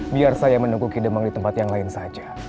biar saya menunggu ki demang di tempat yang lain saja